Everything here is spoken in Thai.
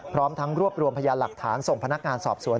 พร้อมทั้งรวบรวมพยานหลักฐานส่งพนักงานสอบสวน